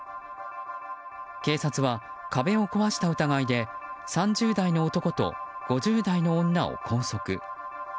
警察は壁を壊した疑いで３０代の男と５０代の女を拘束。